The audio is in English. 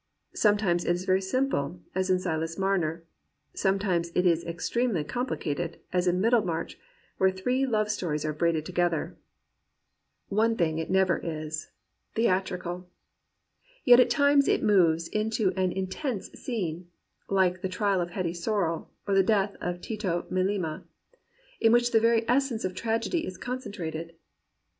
Sometimes it is very simple, as in Silas Mamer; sometimes it is extremely com plicated, as in Middlemarcky where three love stories are braided together. One thing it never is 145 COMPANIONABLE BOOKS — theatrical. Yet at times it moves into an in tense scene, like the trial of Hetty Sorrel or the death of Tito Melema, in which the very essence of tragedy is concentrated.